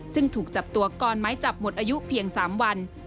ซึ่งถูกจับตัวก่อนไม้จับหมดอายุเพียง๓วัน